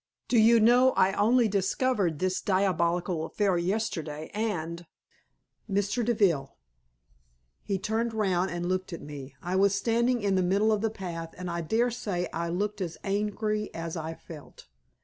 "Do you know I only discovered this diabolical affair yesterday, and " "Mr. Deville!" He turned round and looked at me. I was standing in the middle of the path, and I daresay I looked as angry as I felt.